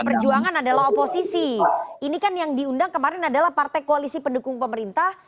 pdi perjuangan adalah oposisi ini kan yang diundang kemarin adalah partai koalisi pendukung pemerintah